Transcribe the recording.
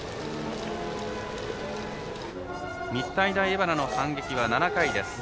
日体大荏原の反撃は７回です。